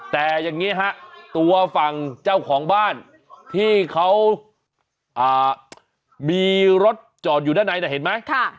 แต่อย่างนี้ฮะตัวฝั่งเจ้าของบ้านที่เขามีรถจอดอยู่ด้านในนะเห็นไหม